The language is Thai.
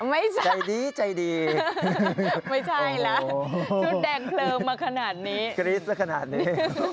ไม่ใช่ไม่ใช่ล่ะชุดแดงเพลิงมาขนาดนี้ใจดีใจดี